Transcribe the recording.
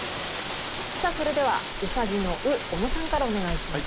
さあそれではうさぎの「う」小野さんからお願いします。